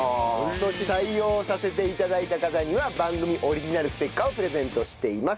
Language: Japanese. そして採用させて頂いた方には番組オリジナルステッカーをプレゼントしています。